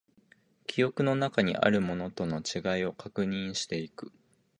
記憶の中にあるものとの違いを確認していく